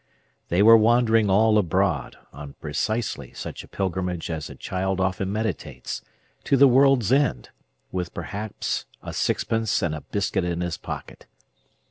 They were wandering all abroad, on precisely such a pilgrimage as a child often meditates, to the world's end, with perhaps a sixpence and a biscuit in his pocket.